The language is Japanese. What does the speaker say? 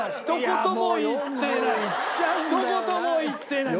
ひと言も言ってない！